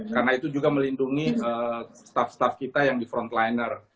karena itu juga melindungi staff staff kita yang di frontliner